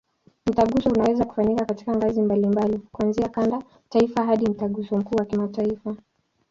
Mtaguso unaweza kufanyika katika ngazi mbalimbali, kuanzia kanda, taifa hadi Mtaguso mkuu wa kimataifa.